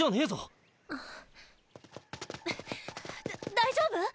大丈夫？